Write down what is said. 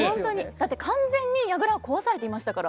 だって完全に櫓を壊されていましたから。